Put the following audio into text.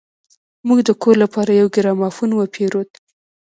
موږ د کور لپاره يو ګرامافون وپېرود.